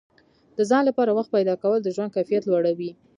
د ځان لپاره وخت پیدا کول د ژوند کیفیت لوړوي.